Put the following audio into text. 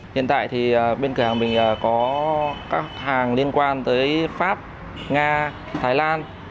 hiện tại thì bên cửa hàng mình có các hàng liên quan tới pháp nga thái lan